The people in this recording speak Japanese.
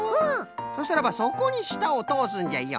そしたらばそこにしたをとおすんじゃよ。